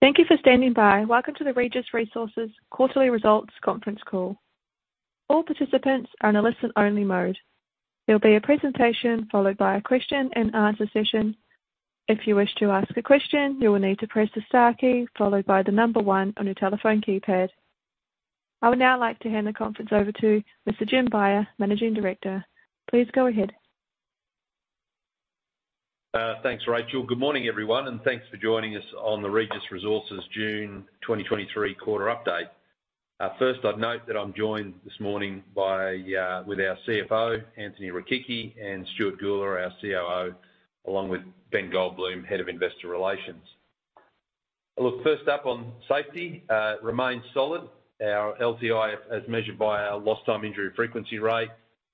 Thank you for standing by. Welcome to the Regis Resources quarterly results conference call. All participants are in a listen-only mode. There will be a presentation, followed by a question-and-answer session. If you wish to ask a question, you will need to press the star key, followed by the number one on your telephone keypad. I would now like to hand the conference over to Mr. Jim Beyer, Managing Director. Please go ahead. Thanks, Rachel. Good morning, everyone, and thanks for joining us on the Regis Resources June 2023 quarter update. First, I'd note that I'm joined this morning with our CFO, Anthony Rechichi, and Stuart Gula, our COO, along with Ben Goldbloom, Head of Investor Relations. Look, first up, on safety, remains solid. Our LTI, as measured by our lost time injury frequency rate,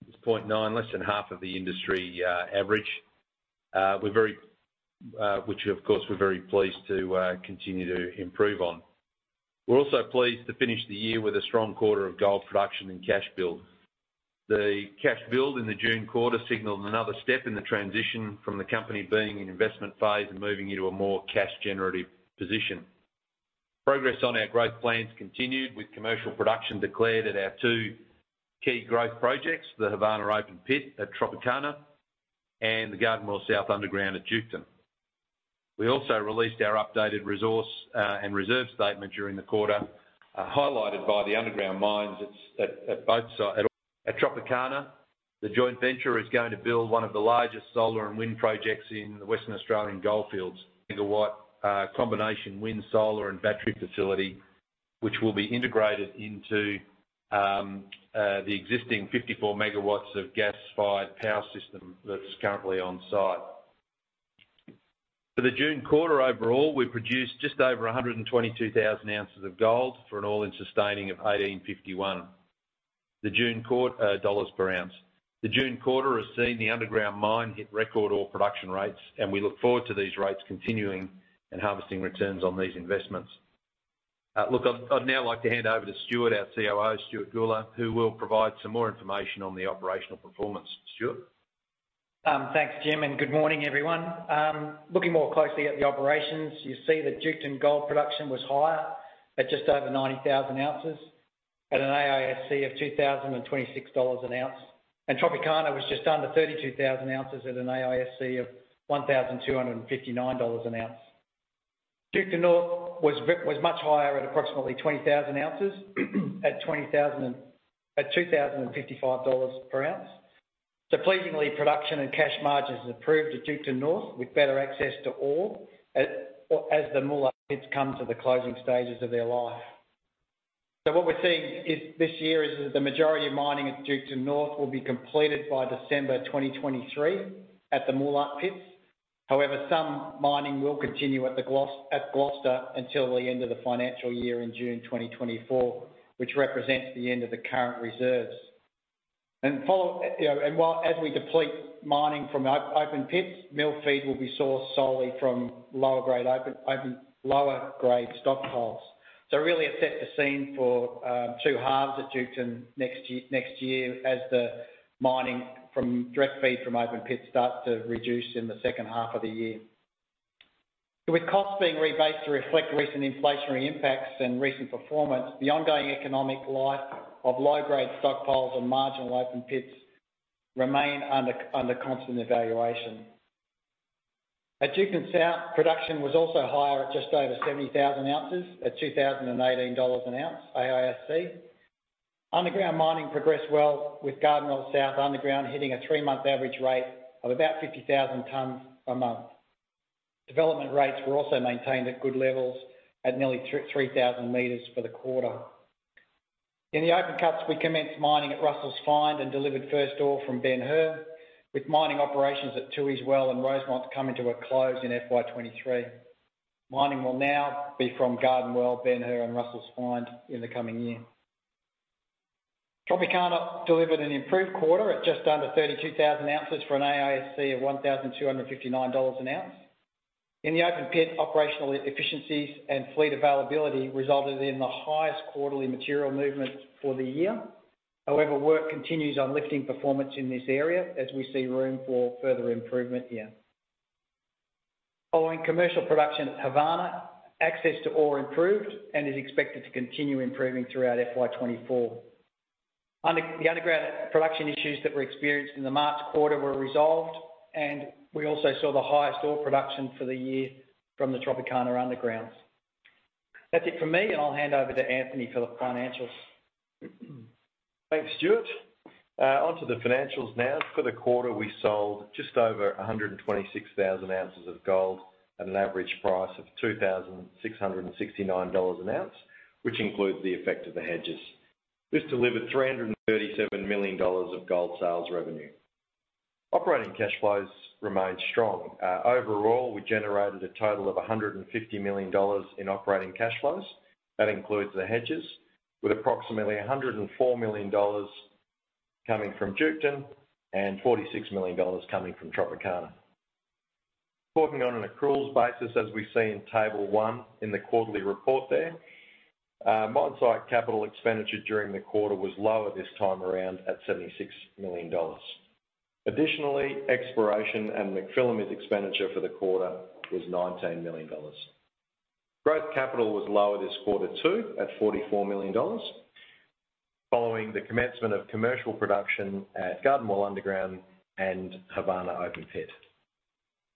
is 0.9, less than half of the industry average. We're very, which of course, we're very pleased to continue to improve on. We're also pleased to finish the year with a strong quarter of gold production and cash build. The cash build in the June quarter signaled another step in the transition from the company being in investment phase and moving into a more cash-generative position. Progress on our growth plans continued with commercial production declared at our two key growth projects, the Havana open pit at Tropicana and the Garden Well South Underground at Duketon. We also released our updated resource and reserve statement during the quarter, highlighted by the underground mines at Tropicana. The joint venture is going to build one of the largest solar and wind projects in the Western Australian goldfields. Megawatt combination wind, solar, and battery facility, which will be integrated into the existing 54 MW of gas-fired power system that's currently on site. For the June quarter overall, we produced just over 122,000 ounces of gold for an all-in sustaining of 1,851. The June dollars per ounce. The June quarter has seen the underground mine hit record ore production rates, and we look forward to these rates continuing and harvesting returns on these investments. Look, I'd now like to hand over to Stuart, our COO, Stuart Gula, who will provide some more information on the operational performance. Stuart? Thanks, Jim, and good morning, everyone. Looking more closely at the operations, you see that Duketon gold production was higher at just over 90,000 ounces at an AISC of 2,026 dollars an ounce, and Tropicana was just under 32,000 ounces at an AISC of 1,259 dollars an ounce. Duketon North was much higher at approximately 20,000 ounces, at 2,055 dollars per ounce. Pleasingly, production and cash margins have improved at Duketon North, with better access to ore, as the Moolart pits come to the closing stages of their life. What we're seeing is, this year, the majority of mining at Duketon North will be completed by December 2023, at the Moolart pits. Some mining will continue at Gloucester until the end of the financial year in June 2024, which represents the end of the current reserves. you know, as we deplete mining from our open pits, mill feed will be sourced solely from lower grade open, lower grade stockpiles. Really, it set the scene for two halves at Duketon next year, as the mining from direct feed from open pits starts to reduce in the second half of the year. With costs being rebased to reflect recent inflationary impacts and recent performance, the ongoing economic life of low-grade stockpiles and marginal open pits remain under constant evaluation. At Duketon South, production was also higher at just over 70,000 ounces, at 2,018 dollars an ounce, AISC. Underground mining progressed well, with Garden Well Underground hitting a three-month average rate of about 50,000 tons a month. Development rates were also maintained at good levels at nearly 3,000 m for the quarter. In the open cuts, we commenced mining at Russell's Find and delivered first ore from Ben Hur, with mining operations at Tooheys Well and Rosemont coming to a close in FY 2023. Mining will now be from Garden Well, Ben Hur, and Russell's Find in the coming year. Tropicana delivered an improved quarter at just under 32,000 ounces for an AISC of 1,259 dollars an ounce. In the open pit, operational efficiencies and fleet availability resulted in the highest quarterly material movements for the year. Work continues on lifting performance in this area as we see room for further improvement here. Following commercial production at Havana, access to ore improved and is expected to continue improving throughout FY 2024. The underground production issues that were experienced in the March quarter were resolved, we also saw the highest ore production for the year from the Tropicana undergrounds. That's it for me, I'll hand over to Anthony for the financials. Thanks, Stuart. Onto the financials now. For the quarter, we sold just over 126,000 ounces of gold at an average price of 2,669 dollars an ounce, which includes the effect of the hedges. This delivered 337 million dollars of gold sales revenue. Operating cash flows remained strong. Overall, we generated a total of 150 million dollars in operating cash flows. That includes the hedges, with approximately 104 million dollars coming from Duketon and 46 million dollars coming from Tropicana. Talking on an accruals basis, as we see in Table 1 in the quarterly report there, mine site capital expenditure during the quarter was lower this time around, at 76 million dollars. Additionally, exploration and McPhillamys expenditure for the quarter was 19 million dollars. Growth capital was lower this quarter, too, at 44 million dollars, following the commencement of commercial production at Garden Well Underground and Havana open pit.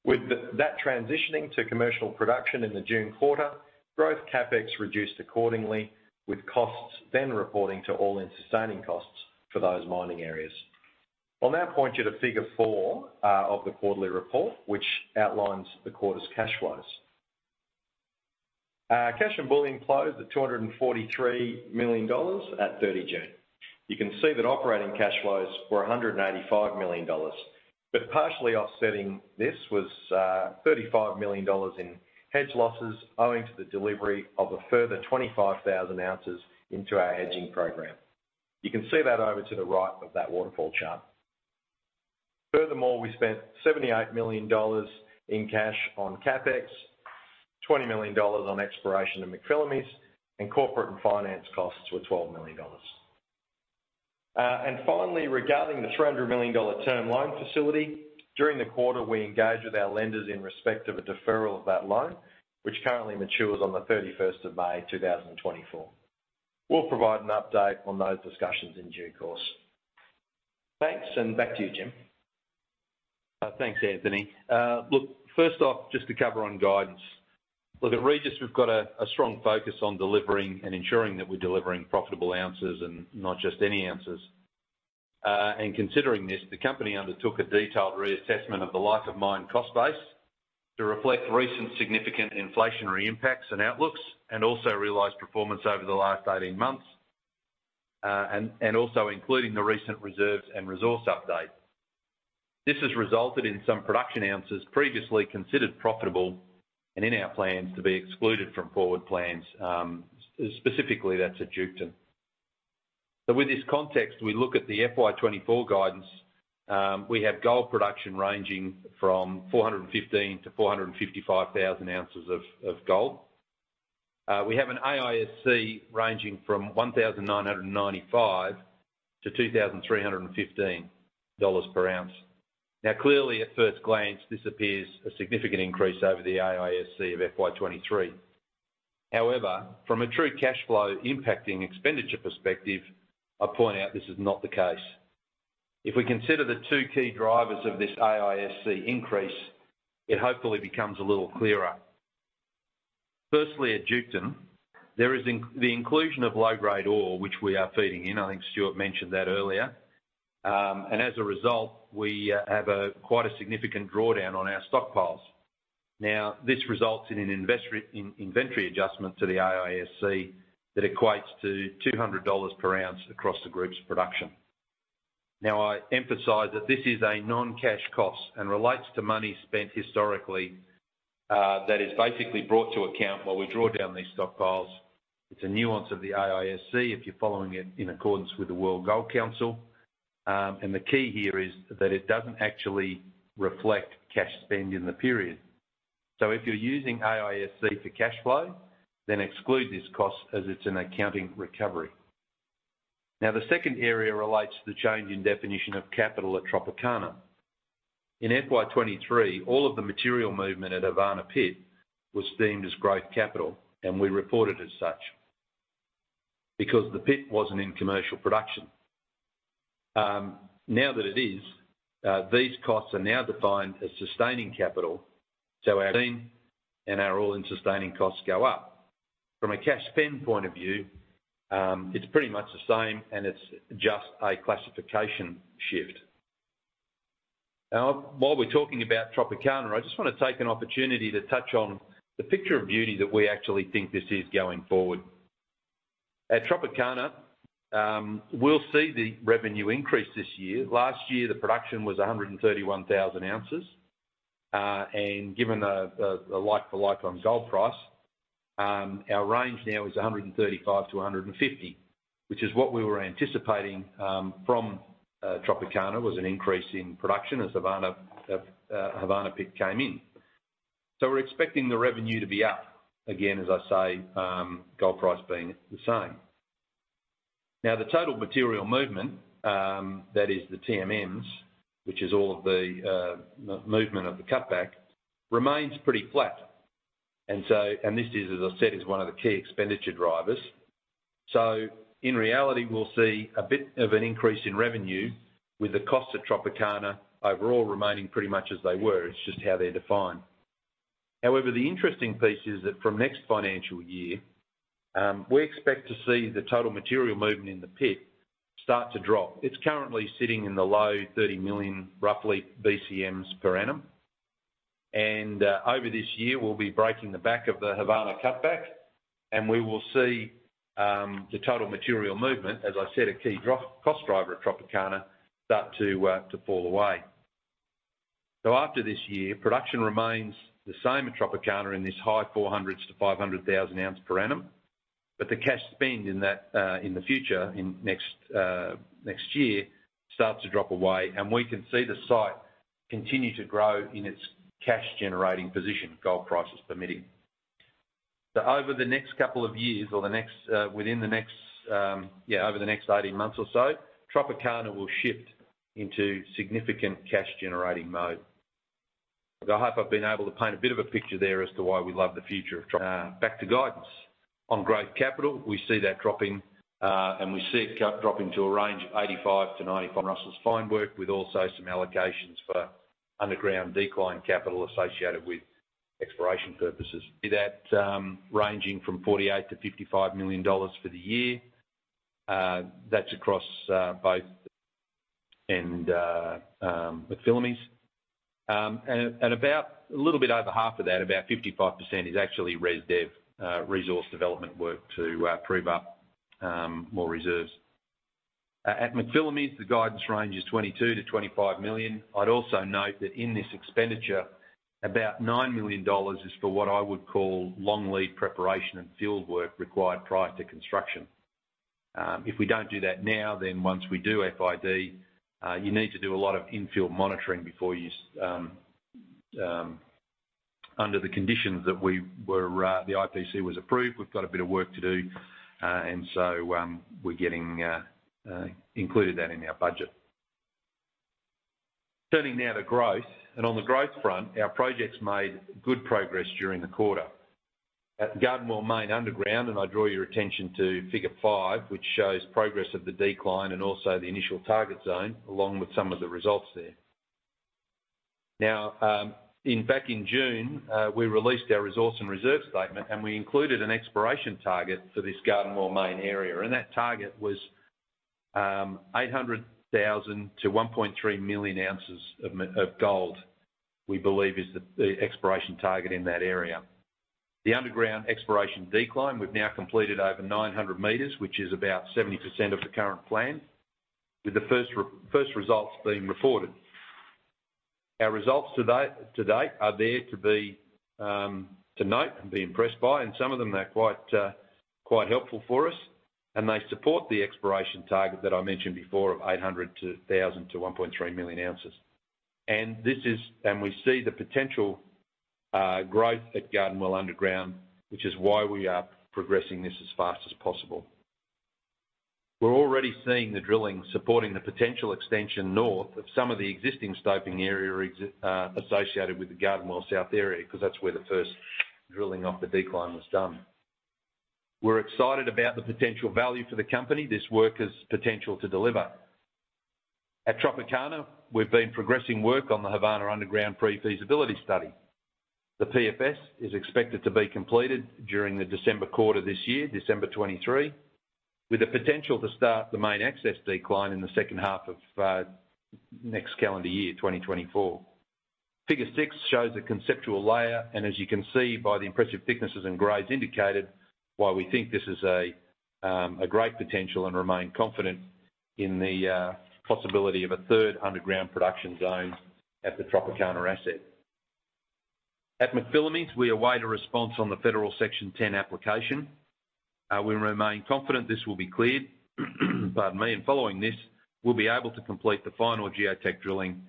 With that transitioning to commercial production in the June quarter, growth CapEx reduced accordingly, with costs then reporting to all-in sustaining costs for those mining areas. I'll now point you to Figure four of the quarterly report, which outlines the quarter's cash flows. Cash and bullion closed at 243 million dollars at 30 June. You can see that operating cash flows were 185 million dollars, partially offsetting this was 35 million dollars in hedge losses, owing to the delivery of a further 25,000 ounces into our hedging program. You can see that over to the right of that waterfall chart. Furthermore, we spent 78 million dollars in cash on CapEx, 20 million dollars on exploration in McPhillamys, and corporate and finance costs were 12 million dollars. Finally, regarding the 300 million dollar term loan facility, during the quarter, we engaged with our lenders in respect of a deferral of that loan, which currently matures on the 31st of May, 2024. We'll provide an update on those discussions in due course. Thanks, and back to you, Jim. Thanks, Anthony. Look, first off, just to cover on guidance. Look, at Regis, we've got a strong focus on delivering and ensuring that we're delivering profitable answers and not just any answers. Considering this, the company undertook a detailed reassessment of the life of mine cost base to reflect recent significant inflationary impacts and outlooks, and also realized performance over the last 18 months, and also including the recent reserves and resource update. This has resulted in some production answers previously considered profitable and in our plans to be excluded from forward plans, specifically, that's at Duketon. With this context, we look at the FY 2024 guidance, we have gold production ranging from 415,000-455,000 ounces of gold. We have an AISC ranging from 1,995-2,315 dollars per ounce. Clearly, at first glance, this appears a significant increase over the AISC of FY 2023. However, from a true cash flow impacting expenditure perspective, I point out this is not the case. If we consider the two key drivers of this AISC increase, it hopefully becomes a little clearer. Firstly, at Duketon, there is the inclusion of low-grade ore, which we are feeding in. I think Stuart mentioned that earlier. As a result, we have a quite a significant drawdown on our stockpiles. This results in an inventory adjustment to the AISC that equates to 200 dollars per ounce across the group's production. I emphasize that this is a non-cash cost and relates to money spent historically, that is basically brought to account while we draw down these stockpiles. It's a nuance of the AISC, if you're following it in accordance with the World Gold Council. The key here is that it doesn't actually reflect cash spend in the period. If you're using AISC for cash flow, then exclude this cost as it's an accounting recovery. The second area relates to the change in definition of capital at Tropicana. In FY 2023, all of the material movement at Havana pit was deemed as growth capital, and we reported as such because the pit wasn't in commercial production. Now that it is, these costs are now defined as sustaining capital, our team and our all-in sustaining costs go up. From a cash spend point of view, it's pretty much the same, and it's just a classification shift. While we're talking about Tropicana, I just want to take an opportunity to touch on the picture of beauty that we actually think this is going forward. At Tropicana, we'll see the revenue increase this year. Last year, the production was 131,000 ounces. And given the like-for-like on gold price, our range now is 135,000-150,000 ounces, which is what we were anticipating from Tropicana, was an increase in production as Havana pit came in. We're expecting the revenue to be up. Again, as I say, gold price being the same. The total material movement, that is the TMMs, which is all of the movement of the cutback, remains pretty flat. This is, as I said, is one of the key expenditure drivers. In reality, we'll see a bit of an increase in revenue with the cost of Tropicana overall remaining pretty much as they were. It's just how they're defined. However, the interesting piece is that from next financial year, we expect to see the total material movement in the pit start to drop. It's currently sitting in the low 30 million, roughly, BCMs per annum. Over this year, we'll be breaking the back of the Havana cutback. We will see the total material movement, as I said, a key cost driver at Tropicana, start to fall away. After this year, production remains the same at Tropicana in this high 400,000-500,000 ounce per annum. The cash spend in that, in the future, in next year, starts to drop away. We can see the site continue to grow in its cash-generating position, gold prices permitting. Over the next couple of years, or within the next 18 months or so, Tropicana will shift into significant cash-generating mode. I hope I've been able to paint a bit of a picture there as to why we love the future of Tropicana. Back to guidance. On growth capital, we see that dropping, and we see it dropping to a range of 85 million-90 million for Russell's Find work, with also some allocations for underground decline capital associated with exploration purposes. Be that, ranging from 48 million-55 million dollars for the year, that's across, both, and, McPhillamys. About a little bit over half of that, about 55% is actually res dev, resource development work to prove up, more reserves. At McPhillamys, the guidance range is 22 million-25 million. I'd also note that in this expenditure, about 9 million dollars is for what I would call long lead preparation and field work required prior to construction. If we don't do that now, then once we do FID, you need to do a lot of in-field monitoring before you, under the conditions that we were, the IPC was approved. We've got a bit of work to do, we're getting, included that in our budget. Turning now to growth, and on the growth front, our projects made good progress during the quarter. At Garden Well Main Underground, and I draw your attention to Figure five, which shows progress of the decline and also the initial target zone, along with some of the results there. Now, in back in June, we released our resource and reserve statement, and we included an exploration target for this Garden Well Main area, and that target was 800,000-1.3 million ounces of gold, we believe is the exploration target in that area. The underground exploration decline, we've now completed over 900 m, which is about 70% of the current plan, with the first results being reported. Our results today, to date, are there to be to note and be impressed by. Some of them are quite helpful for us. They support the exploration target that I mentioned before of 800,000-1.3 million ounces. We see the potential growth at Garden Well Underground, which is why we are progressing this as fast as possible. We're already seeing the drilling supporting the potential extension north of some of the existing scoping area associated with the Garden Well South area, 'cause that's where the first drilling off the decline was done. We're excited about the potential value for the company, this work has potential to deliver. At Tropicana, we've been progressing work on the Havana Underground Pre-Feasibility Study. The PFS is expected to be completed during the December quarter this year, December 2023, with the potential to start the main access decline in the second half of next calendar year, 2024. Figure six shows the conceptual layer, and as you can see by the impressive thicknesses and grades indicated, why we think this is a great potential and remain confident in the possibility of a third underground production zone at the Tropicana asset. At McPhillamys, we await a response on the Federal Section 10 application. We remain confident this will be cleared, pardon me, and following this, we'll be able to complete the final geotech drilling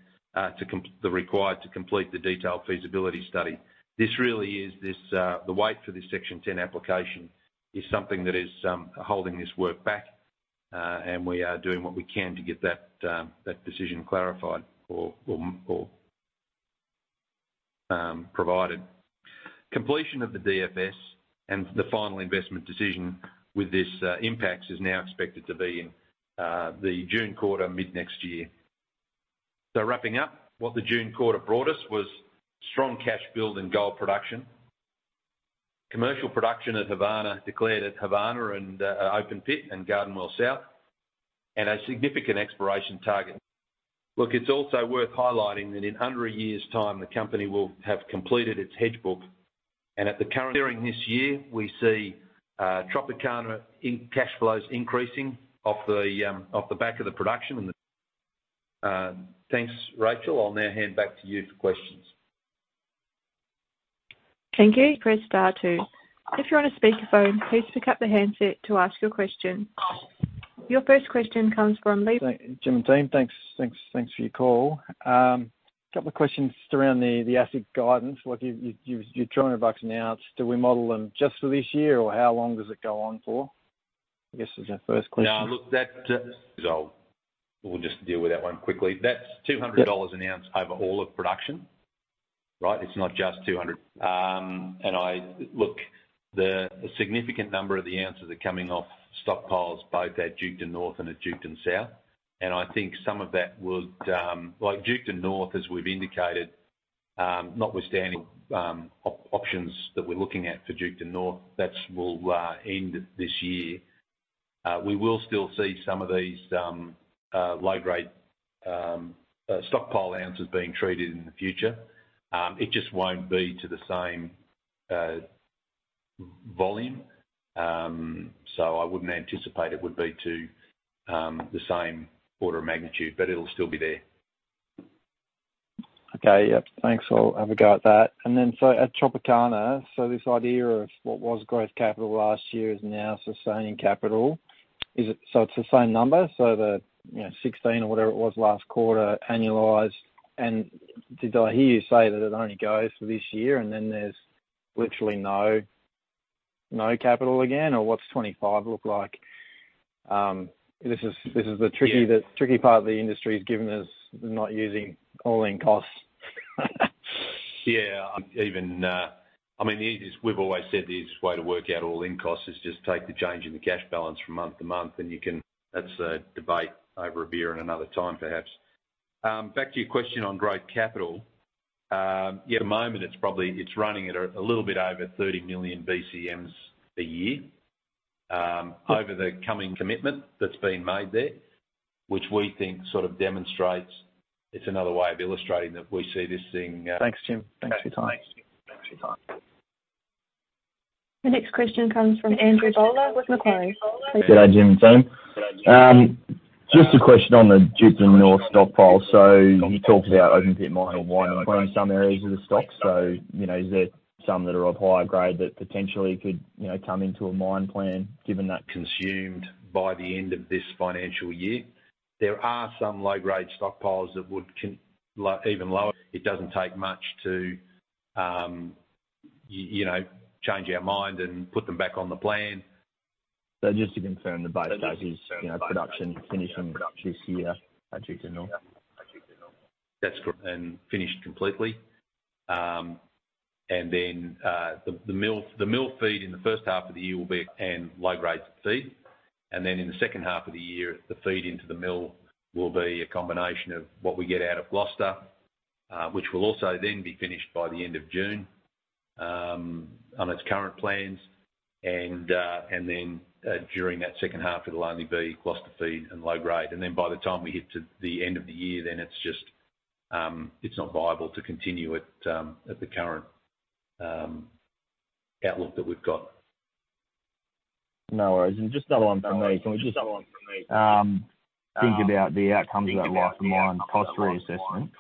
required to complete the detailed feasibility study. This really is, this, the wait for this Section 10 application is something that is holding this work back, and we are doing what we can to get that decision clarified, or provided. Completion of the DFS and the final investment decision with this impacts is now expected to be in the June quarter, mid-next year. Wrapping up, what the June quarter brought us was strong cash build and gold production, commercial production at Havana, declared at Havana and open pit and Garden Well South, and a significant exploration target. Look, it's also worth highlighting that in under a year's time, the company will have completed its hedge book, and During this year, we see Tropicana cash flows increasing off the back of the production and the. Thanks, Rachel. I'll now hand back to you for questions. Thank you. Press star two. If you're on a speakerphone, please pick up the handset to ask your question. Your first question comes from Levi- Jim and team, thanks, thanks for your call. A couple of questions around the asset guidance. Like, your 200 bucks an ounce, do we model them just for this year, or how long does it go on for? I guess is our first question. Now, look, that result, we'll just deal with that one quickly. Yep. That's 200 dollars an ounce over all of production, right? It's not just 200. I look, the significant number of the ounces are coming off stockpiles, both at Duketon North and at Duketon South. I think some of that would, well, Duketon North, as we've indicated, notwithstanding, options that we're looking at for Duketon North, that will end this year. We will still see some of these low-grade stockpile ounces being treated in the future. It just won't be to the same volume. I wouldn't anticipate it would be to the same order of magnitude, but it'll still be there. Okay, yep. Thanks. I'll have a go at that. Then, so at Tropicana, so this idea of what was growth capital last year is now sustaining capital. Is it, so it's the same number, so the, you know, 16 or whatever it was last quarter, annualized? Did I hear you say that it only goes for this year, and then there's literally no capital again, or what's FY 2025 look like? This is the tricky... Yeah. The tricky part of the industry is giving us, not using all-in costs. Yeah, I mean, the easiest, we've always said, the easiest way to work out all-in costs is just take the change in the cash balance from month to month, and you can. That's a debate over a beer at another time, perhaps. Back to your question on growth capital. Yeah, at the moment, it's probably, it's running at a little bit over 30 million BCMs a year, over the coming commitment that's been made there, which we think sort of demonstrates, it's another way of illustrating that we see this thing. Thanks, Jim. Thanks for your time. Thanks for your time. The next question comes from Andrew Bowler with Macquarie. G'day, Jim and team. Just a question on the Duketon North stockpile. You talked about open-pit mining in some areas of the stock. You know, is there some that are of higher grade that potentially could, you know, come into a mine plan given that- Consumed by the end of this financial year? There are some low-grade stockpiles that would even lower. It doesn't take much to, you know, change our mind and put them back on the plan. Just to confirm, the base case is, you know, production finishing this year at Duketon North? That's finished completely. Then, the mill feed in the first half of the year will be and low-grade feed. Then, in the second half of the year, the feed into the mill will be a combination of what we get out of Gloucester, which will also then be finished by the end of June on its current plans. Then, during that second half, it'll only be Gloucester feed and low-grade. Then, by the time we get to the end of the year, then it's just, it's not viable to continue at the current outlook that we've got. No worries. Just another one from me. Can we just think about the outcomes of that life in mind cost reassessment?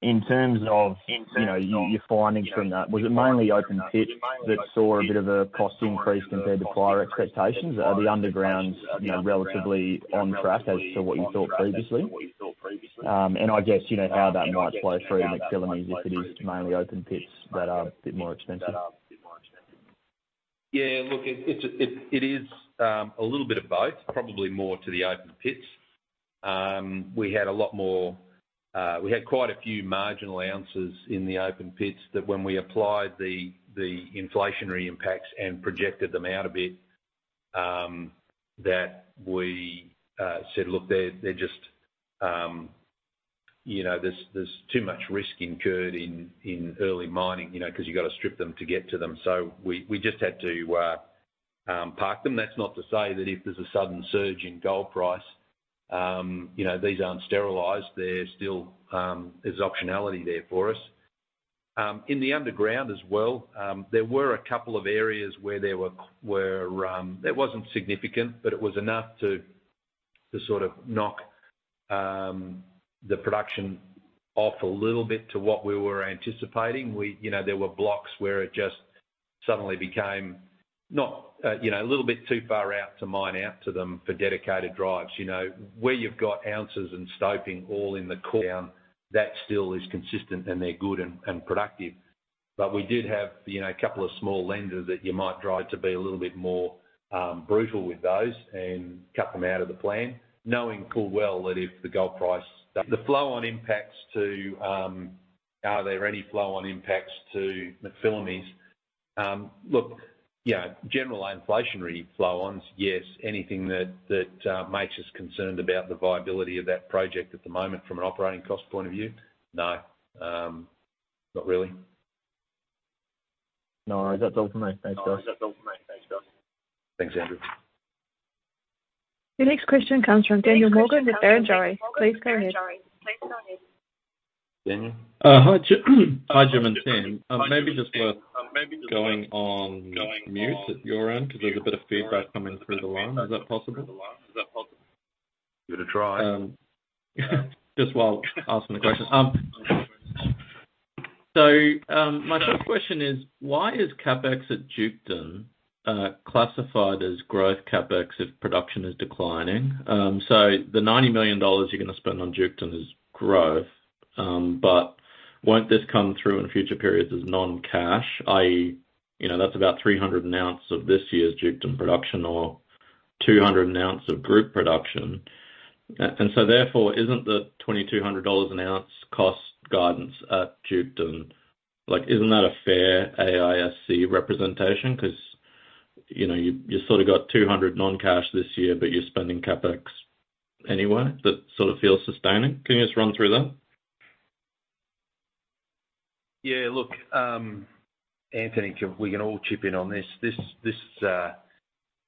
In terms of, you know, your findings from that, was it mainly open pit that saw a bit of a cost increase compared to prior expectations? Are the undergrounds, you know, relatively on track as to what you thought previously? I guess, you know, how about March flow through McPhillamys, if it is mainly open pits that are a bit more expensive? It is a little bit of both, probably more to the open pits. We had a lot more, we had quite a few marginal ounces in the open pits that when we applied the inflationary impacts and projected them out a bit, that we said: Look, they're just, you know, there's too much risk incurred in early mining, you know, 'cause you've got to strip them to get to them. We just had to park them. That's not to say that if there's a sudden surge in gold price, you know, these aren't sterilized. There's still optionality there for us. In the underground as well, there were a couple of areas where there were... It wasn't significant, but it was enough to sort of knock the production off a little bit to what we were anticipating. We, you know, there were blocks where it just suddenly became not, you know, a little bit too far out to mine out to them for dedicated drives. You know, where you've got ounces and scoping all in the core, down, that still is consistent, and they're good and productive. We did have, you know, a couple of small lenders that you might try to be a little bit more brutal with those and cut them out of the plan, knowing full well that if the gold price- The flow-on impacts to, are there any flow-on impacts to McPhillamys? Look, yeah, general inflationary flow-ons, yes. Anything that makes us concerned about the viability of that project at the moment from an operating cost point of view? No. Not really. No, that's all for me. Thanks, guys. Thanks, Andrew. Your next question comes from Daniel Morgan with Barrenjoey. Please go ahead. Daniel? Hi, Jim and team. Maybe just worth going on mute at your end because there's a bit of feedback coming through the line. Is that possible? Give it a try. Just while asking the question. My first question is: Why is CapEx at Duketon classified as growth CapEx if production is declining? The 90 million dollars you're going to spend on Duketon is growth, but won't this come through in future periods as non-cash? i.e., you know, that's about 300 an ounce of this year's Duketon production or 200 an ounce of group production. Therefore, isn't the 2,200 dollars an ounce cost guidance at Duketon, like, isn't that a fair AISC representation? 'Cause, you know, you sort of got 200 non-cash this year, but you're spending CapEx anyway. That sort of feels sustaining. Can you just run through that? Yeah, look, Anthony. We can all chip in on this.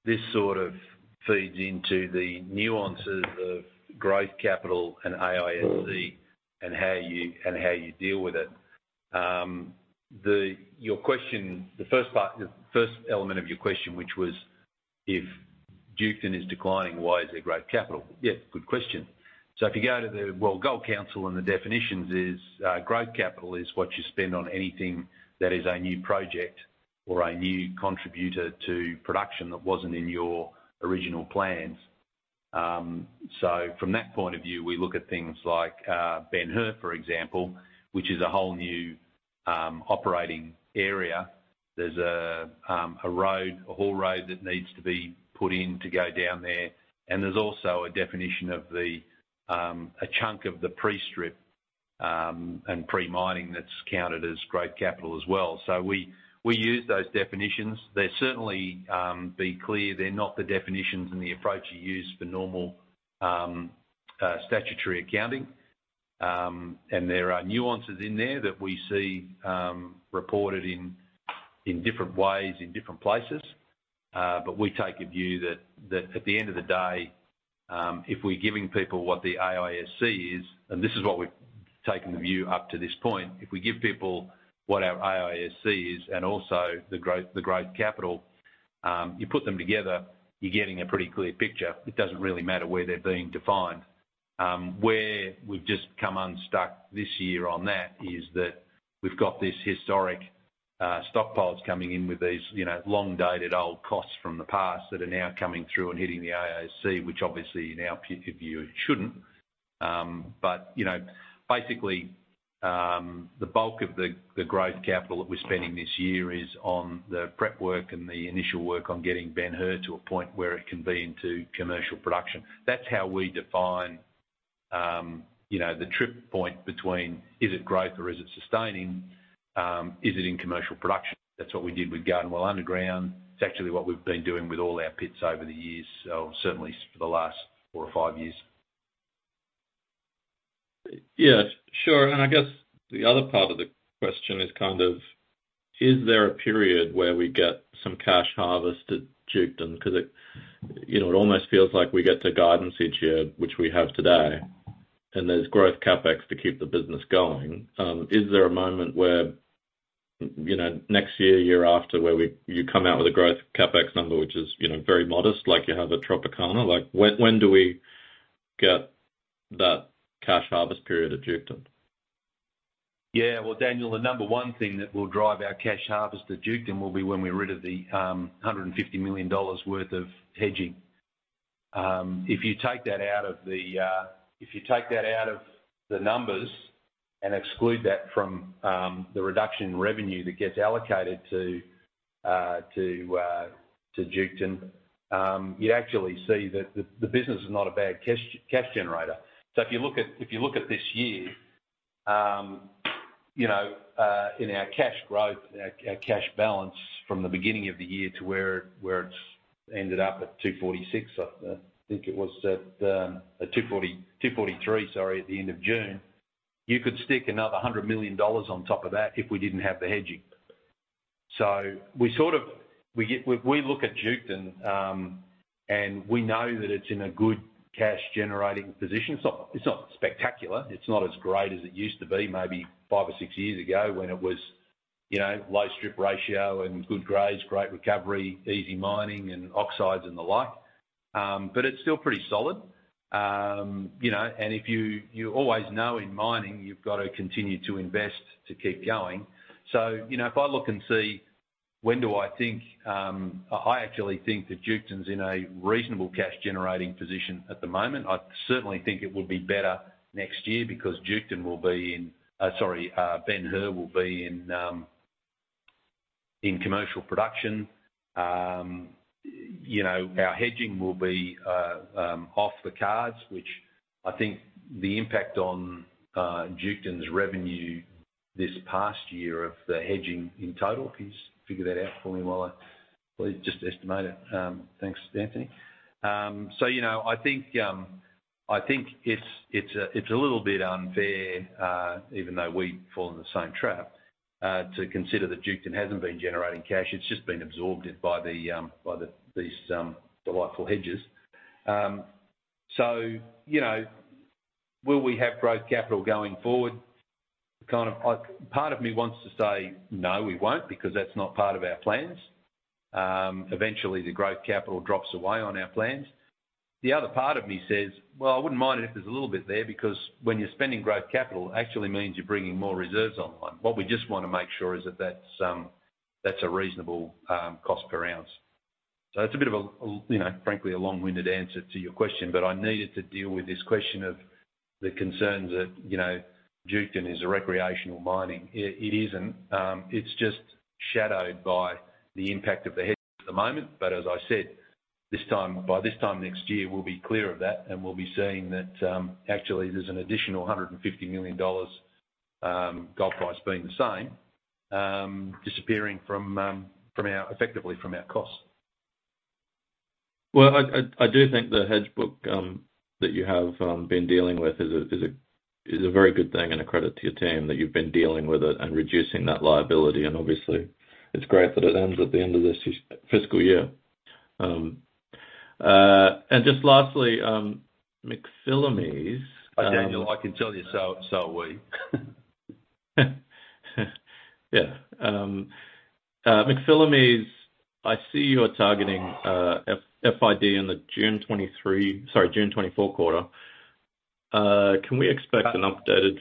This sort of feeds into the nuances of growth capital and AISC and how you deal with it. Your question, the first part, the first element of your question, which was: If Duketon is declining, why is there growth capital? Yeah, good question. If you go to the, well, Gold Council and the definitions is, growth capital is what you spend on anything that is a new project or a new contributor to production that wasn't in your original plans. From that point of view, we look at things like Ben Hur, for example, which is a whole new operating area. There's a road, a whole road that needs to be put in to go down there, and there's also a definition of the a chunk of the pre-strip and pre-mining that's counted as growth capital as well. We use those definitions. They're certainly be clear, they're not the definitions and the approach you use for normal statutory accounting. There are nuances in there that we see reported in different ways, in different places. We take a view that at the end of the day, if we're giving people what the AISC is, and this is what we've taken the view up to this point, if we give people what our AISC is and also the growth capital, you put them together, you're getting a pretty clear picture. It doesn't really matter where they're being defined. Where we've just come unstuck this year on that is that we've got these historic stockpiles coming in with these, you know, long-dated old costs from the past that are now coming through and hitting the AISC, which obviously now, view it shouldn't. You know, basically, the bulk of the growth capital that we're spending this year is on the prep work and the initial work on getting Ben Hur to a point where it can be into commercial production. That's how we define, you know, the trip point between is it growth or is it sustaining? Is it in commercial production? That's what we did with Garden Well Underground. It's actually what we've been doing with all our pits over the years, so certainly for the last four or five years. Yes, sure. I guess the other part of the question is kind of: Is there a period where we get some cash harvest at Duketon? Because it, you know, it almost feels like we get the guidance each year, which we have today, and there's growth CapEx to keep the business going. Is there a moment where, you know, next year after, where you come out with a growth CapEx number, which is, you know, very modest, like you have at Tropicana? Like, when do we get that cash harvest period at Duketon? Well, Daniel, the number one thing that will drive our cash harvest at Duketon will be when we're rid of the $150 million worth of hedging. If you take that out of the numbers and exclude that from the reduction in revenue that gets allocated to Duketon, you'd actually see that the business is not a bad cash generator. If you look at this year, you know, in our cash growth, our cash balance from the beginning of the year to where it's ended up at 246, I think it was at 243, sorry, at the end of June, you could stick another 100 million dollars on top of that if we didn't have the hedging. We look at Duketon, and we know that it's in a good cash-generating position. It's not spectacular. It's not as great as it used to be, maybe five or six years ago, when it was, you know, low strip ratio and good grades, great recovery, easy mining and oxides and the like. But it's still pretty solid. You know, if you always know in mining, you've got to continue to invest to keep going. You know, if I look and see, when do I think, I actually think that Duketon's in a reasonable cash-generating position at the moment. I certainly think it will be better next year because Duketon will be in, sorry, Ben Hur will be in commercial production. You know, our hedging will be off the cards, which I think the impact on Duketon's revenue this past year of the hedging in total, can you figure that out for me while well, just estimate it. Thanks, Anthony. I think it's a little bit unfair, even though we fall in the same trap, to consider that Duketon hasn't been generating cash, it's just been absorbed by these delightful hedges. Will we have growth capital going forward? Kind of, part of me wants to say, "No, we won't," because that's not part of our plans. Eventually, the growth capital drops away on our plans. The other part of me says, "Well, I wouldn't mind it if there's a little bit there," because when you're spending growth capital, it actually means you're bringing more reserves online. What we just want to make sure is that's a reasonable cost per ounce. It's a bit of a you know, frankly, a long-winded answer to your question, but I needed to deal with this question of the concerns that, you know, Duketon is a recreational mining. It isn't. It's just shadowed by the impact of the hedge at the moment. As I said, by this time next year, we'll be clear of that, and we'll be seeing that, actually, there's an additional 150 million dollars, gold price being the same, disappearing from our, effectively from our costs. Well, I do think the hedge book that you have been dealing with is a very good thing and a credit to your team, that you've been dealing with it and reducing that liability. Obviously, it's great that it ends at the end of this fiscal year. Just lastly, McPhillamys. Daniel, I can tell you, so are we. Yeah. McPhillamys, I see you are targeting FID in the June 2024 quarter. Can we expect an updated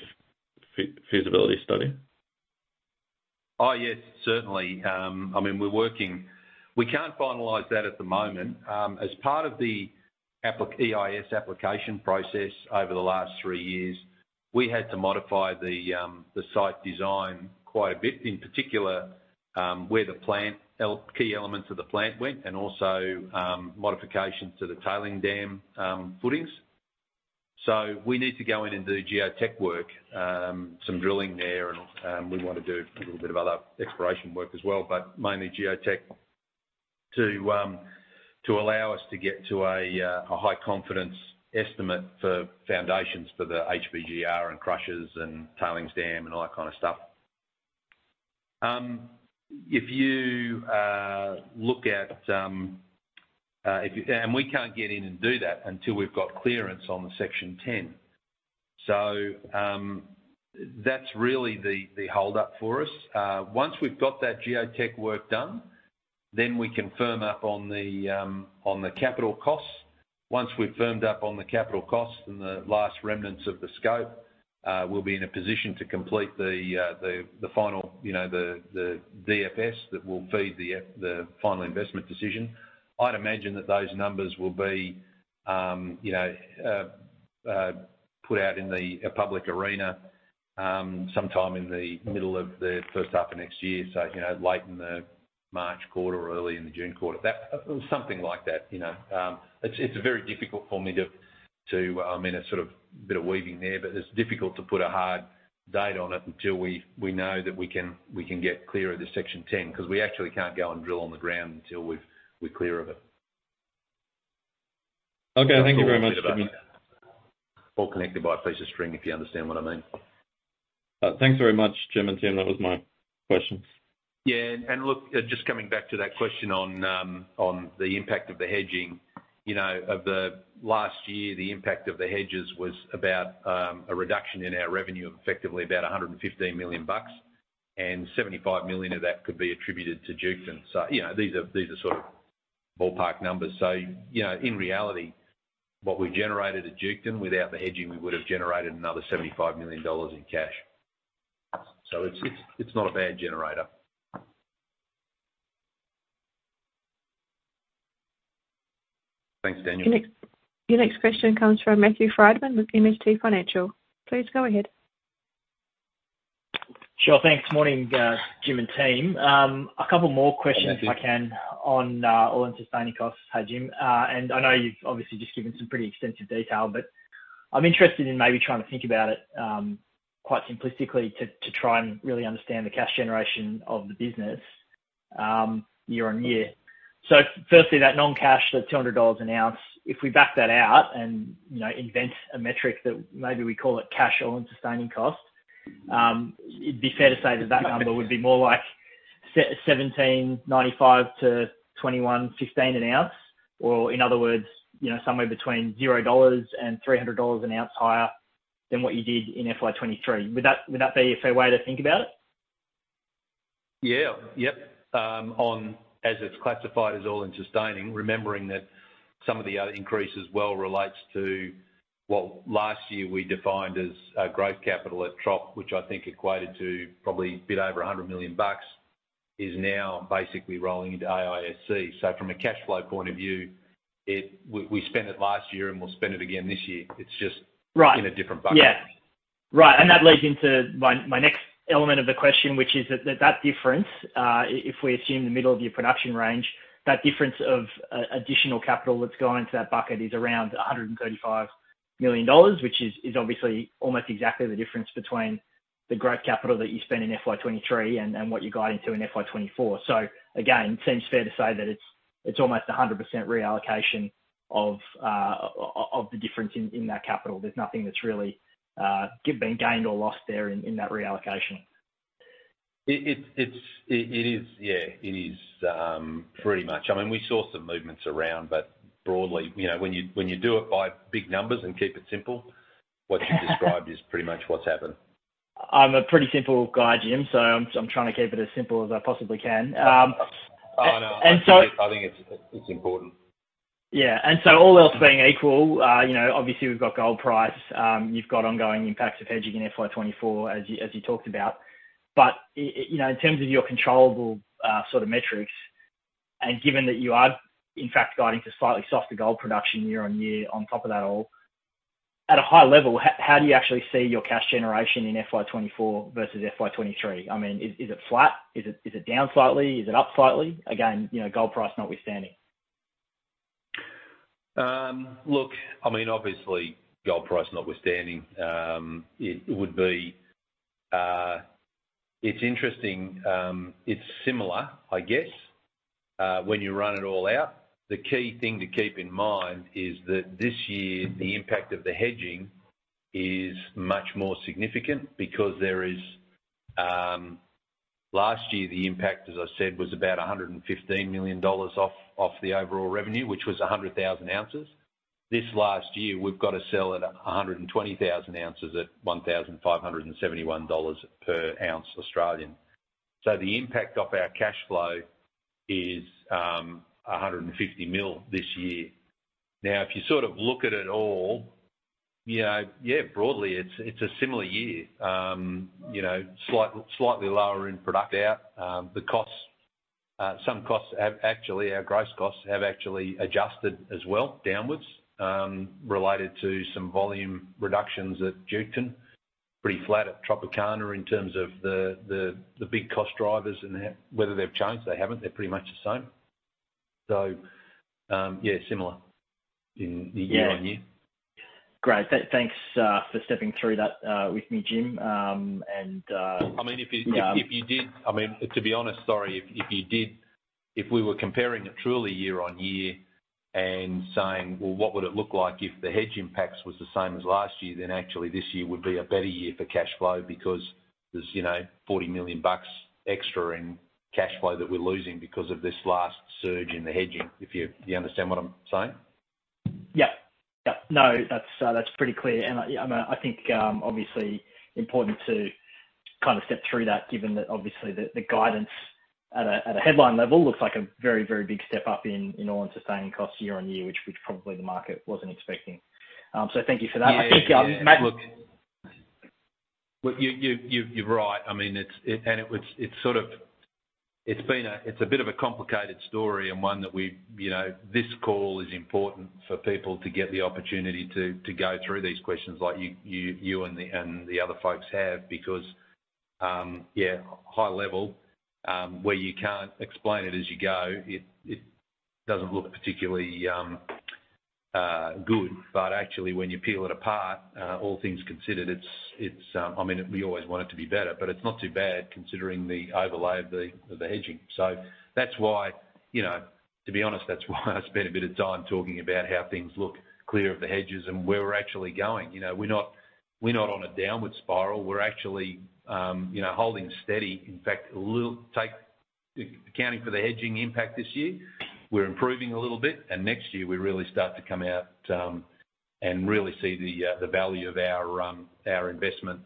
feasibility study? Oh, yes, certainly. I mean, we're working. We can't finalize that at the moment. As part of the EIS application process over the last three years, we had to modify the site design quite a bit, in particular, where the plant key elements of the plant went, and also, modifications to the tailing dam footings. We need to go in and do geotech work, some drilling there, and we want to do a little bit of other exploration work as well, but mainly geotech, to allow us to get to a high confidence estimate for foundations for the HPGR and crushers and tailings dam, and all that kind of stuff. If you look at... We can't get in and do that until we've got clearance on the Section 10. That's really the hold-up for us. Once we've got that geotech work done, then we can firm up on the capital costs. Once we've firmed up on the capital costs and the last remnants of the scope, we'll be in a position to complete the final, you know, the DFS, that will feed the final investment decision. I'd imagine that those numbers will be, you know, put out in the, a public arena, sometime in the middle of the first half of next year. You know, late in the March quarter or early in the June quarter, that, something like that, you know? It's very difficult for me to... I mean, it's sort of a bit of weaving there, but it's difficult to put a hard date on it until we know that we can get clear of the Section 10, 'cause we actually can't go and drill on the ground until we're clear of it. Okay, thank you very much, Jim. All connected by a piece of string, if you understand what I mean. Thanks very much, Jim and team. That was my questions. Look, just coming back to that question on the impact of the hedging. You know, of the last year, the impact of the hedges was about a reduction in our revenue of effectively about 115 million bucks, and 75 million of that could be attributed to Duketon. You know, these are sort of ballpark numbers. You know, in reality, what we generated at Duketon, without the hedging, we would have generated another 75 million dollars in cash. It's not a bad generator. Thanks, Daniel. Your next question comes from Matthew Frydman with MST Financial. Please go ahead. Sure. Thanks. Morning, Jim and team. A couple more questions. Hey, Matthew. If I can on all-in sustaining costs. Hi, Jim. I know you've obviously just given some pretty extensive detail, but I'm interested in maybe trying to think about it quite simplistically, to try and really understand the cash generation of the business year on year. Firstly, that non-cash, that 200 dollars an ounce, if we back that out and, you know, invent a metric that maybe we call it cash all-in sustaining cost, it'd be fair to say that that number would be more like 1,795-2,115 an ounce, or in other words, you know, somewhere between 0 dollars and 300 dollars an ounce higher than what you did in FY 2023. Would that be a fair way to think about it? Yeah. Yep, as it's classified as all-in sustaining, remembering that some of the other increases well relates to what last year we defined as growth capital at Trop, which I think equated to probably a bit over 100 million bucks, is now basically rolling into AISC. From a cash flow point of view, it, we spent it last year, and we'll spend it again this year. It's just- Right in a different bucket. Yeah. Right, that leads into my next element of the question, which is that difference, if we assume the middle of your production range, that difference of additional capital that's gone into that bucket is around 135 million dollars, which is obviously almost exactly the difference between the growth capital that you spent in FY 2023 and what you got into in FY 2024. Again, seems fair to say that it's almost 100% reallocation of the difference in that capital. There's nothing that's really been gained or lost there in that reallocation. It's, it is, yeah, it is, pretty much. I mean, we saw some movements around, but broadly, you know, when you do it by big numbers and keep it simple, what you've described is pretty much what's happened. I'm a pretty simple guy, Jim, so I'm trying to keep it as simple as I possibly can. Oh, I know. And so- I think it's important. All else being equal, you know, obviously we've got gold price. You've got ongoing impacts of hedging in FY 2024, as you talked about. You know, in terms of your controllable sort of metrics, and given that you are in fact guiding to slightly softer gold production year on year on top of that all, at a high level, how do you actually see your cash generation in FY 2024 versus FY 2023? I mean, is it flat? Is it down slightly? Is it up slightly? Again, you know, gold price notwithstanding. Look, I mean, obviously, gold price notwithstanding, it's interesting, it's similar, I guess, when you run it all out. The key thing to keep in mind is that this year, the impact of the hedging is much more significant because there is last year, the impact, as I said, was about 115 million dollars off the overall revenue, which was 100,000 ounces. This last year, we've got to sell at 120,000 ounces at 1,571 dollars per ounce Australian. The impact of our cash flow is 150 million this year. If you sort of look at it all, you know, yeah, broadly, it's a similar year. You know, slightly lower in product out. The costs, our gross costs have actually adjusted as well downwards, related to some volume reductions at Duketon. Pretty flat at Tropicana in terms of the, the big cost drivers and whether they've changed, they haven't. They're pretty much the same. Yeah, similar in the year-on-year. Yeah. Great. Thanks, for stepping through that with me, Jim. I mean, to be honest, sorry, if you did, if we were comparing it truly year-on-year and saying, "Well, what would it look like if the hedge impacts was the same as last year?" Actually, this year would be a better year for cash flow because there's, you know, 40 million bucks extra in cash flow that we're losing because of this last surge in the hedging. Do you understand what I'm saying? Yeah. Yeah. No, that's pretty clear. I think obviously important to kind of step through that, given that obviously the guidance at a headline level looks like a very, very big step up in all in sustaining costs year-on-year, which probably the market wasn't expecting. Thank you for that. Yeah, yeah. I think. Well, you're right. I mean, it's, and it's sort of, it's been a bit of a complicated story and one that we... You know, this call is important for people to get the opportunity to go through these questions like you and the other folks have, because, yeah, high level, where you can't explain it as you go, it doesn't look particularly good. Actually, when you peel it apart, all things considered, it's... I mean, we always want it to be better, but it's not too bad considering the overlay of the hedging. That's why, you know, to be honest, that's why I spent a bit of time talking about how things look clear of the hedges and where we're actually going. You know, we're not, we're not on a downward spiral, we're actually, you know, holding steady. In fact, accounting for the hedging impact this year, we're improving a little bit. Next year, we really start to come out and really see the value of our investment,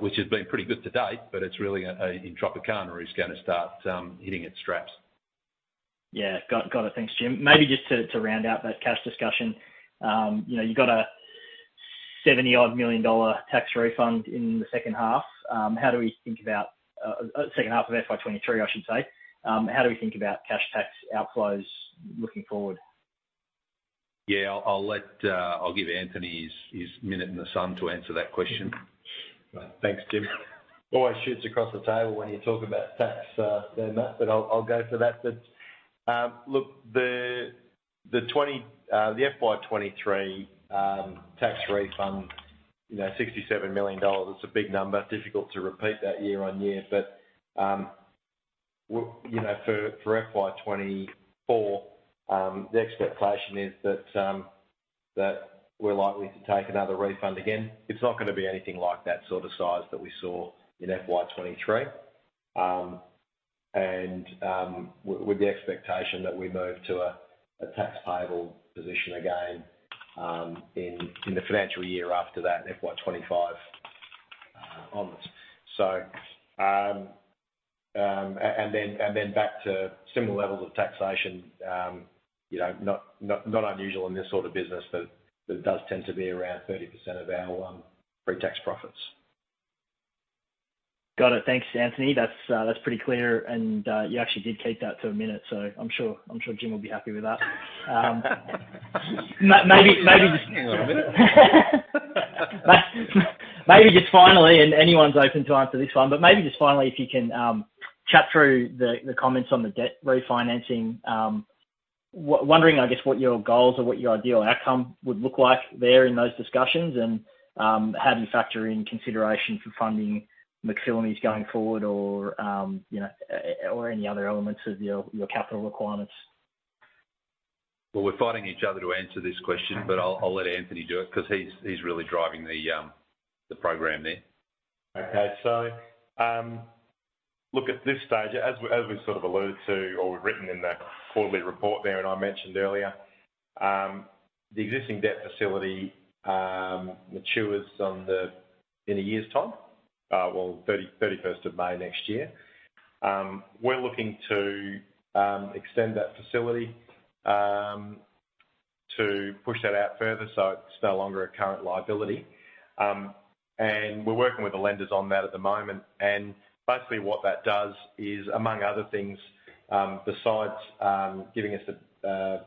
which has been pretty good to date, but it's really in Tropicana is gonna start hitting its straps. Yeah. Got it. Thanks, Jim. Maybe just to round out that cash discussion, you know, you've got a 70-odd million dollar tax refund in the second half. How do we think about second half of FY 2023, I should say? How do we think about cash tax outflows looking forward? I'll give Anthony his minute in the sun to answer that question. Thanks, Jim. Always shoots across the table when you talk about tax, Matt, I'll go for that. Look, the FY 2023 tax refund, you know, 67 million dollars, it's a big number. Difficult to repeat that year-on-year, you know, for FY 2024, the expectation is that we're likely to take another refund again. It's not gonna be anything like that sort of size that we saw in FY 2023. With the expectation that we move to a tax payable position again, in the financial year after that, FY 2025 onwards. And then back to similar levels of taxation, you know, not unusual in this sort of business, but it does tend to be around 30% of our pre-tax profits. Got it. Thanks, Anthony. That's pretty clear, and you actually did keep that to a minute, so I'm sure Jim will be happy with that. Maybe. Hang on a minute. Maybe just finally, anyone's open to answer this one, but maybe just finally, if you can, chat through the comments on the debt refinancing. Wondering, I guess, what your goals or what your ideal outcome would look like there in those discussions, and how do you factor in consideration for funding McPhillamys going forward or, you know, or any other elements of your capital requirements? Well, we're fighting each other to answer this question, but I'll let Anthony do it 'cause he's really driving the program there. Look, at this stage, as we, as we sort of alluded to or we've written in the quarterly report there and I mentioned earlier, the existing debt facility matures on the, in a year's time, 31st of May next year. We're looking to extend that facility to push that out further, so it's no longer a current liability. And we're working with the lenders on that at the moment, and basically what that does is, among other things, besides, giving us a,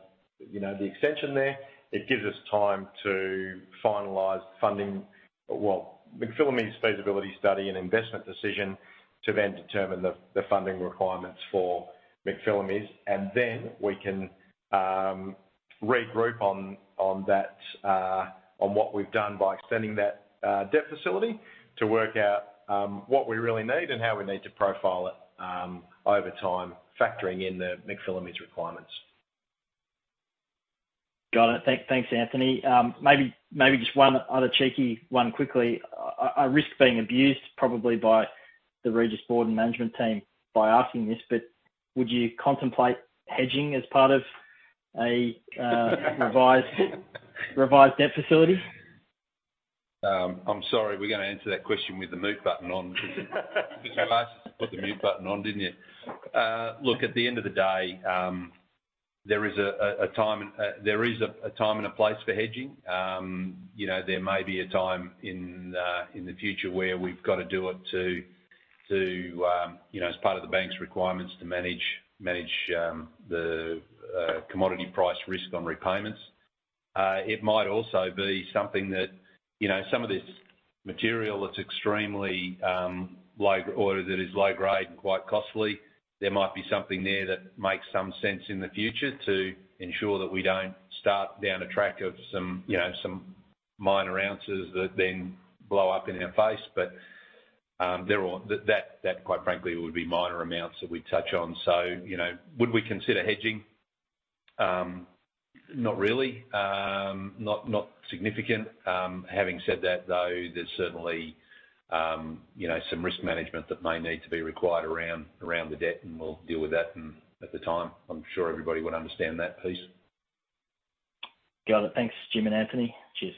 you know, the extension there, it gives us time to finalize funding. McPhillamys feasibility study and investment decision to then determine the funding requirements for McPhillamys. We can regroup on that, on what we've done by extending that debt facility to work out what we really need and how we need to profile it over time, factoring in the McPhillamys requirements. Got it. Thanks, Anthony. Maybe just one other cheeky one quickly. I risk being abused probably by the Regis board and management team by asking this. Would you contemplate hedging as part of a revised debt facility? I'm sorry, we're going to answer that question with the mute button on. You asked us to put the mute button on, didn't you? At the end of the day, there is a time and there is a time and a place for hedging. You know, there may be a time in the future where we've got to do it to, you know, as part of the bank's requirements to manage the commodity price risk on repayments. It might also be something that, you know, some of this material that's extremely low, or that is low grade and quite costly, there might be something there that makes some sense in the future to ensure that we don't start down a track of some, you know, some minor ounces that then blow up in our face. There are that, quite frankly, would be minor amounts that we'd touch on. So, you know, would we consider hedging? Not really. Not, not significant. Having said that, though, there's certainly, you know, some risk management that may need to be required around the debt, and we'll deal with that at the time. I'm sure everybody would understand that piece. Got it. Thanks, Jim and Anthony. Cheers.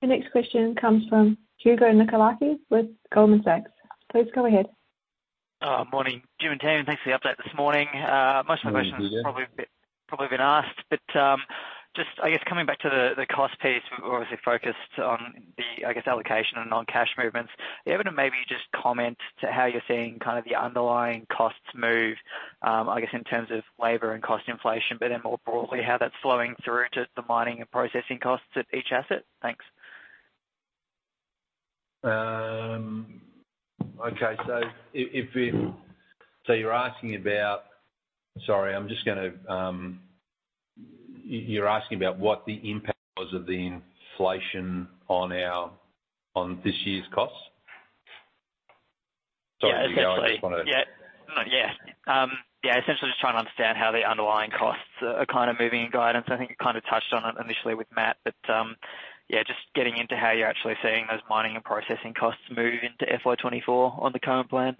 The next question comes from Hugo Nicolaci with Goldman Sachs. Please go ahead. Morning, Jim and team. Thanks for the update this morning. Mm-hmm. Most of my questions have probably been asked, but, just, I guess, coming back to the cost piece, we've obviously focused on the, I guess, allocation and non-cash movements. Able to maybe just comment to how you're seeing kind of the underlying costs move, I guess, in terms of labor and cost inflation, but then more broadly, how that's flowing through to the mining and processing costs at each asset? Thanks. Okay. if you're asking about... Sorry, I'm just gonna, you're asking about what the impact was of the inflation on our, on this year's costs? Yeah, essentially. Sorry, I just wanted to- Essentially just trying to understand how the underlying costs are kind of moving in guidance. I think you kind of touched on it initially with Matt, but, yeah, just getting into how you're actually seeing those mining and processing costs move into FY 2024 on the current plan.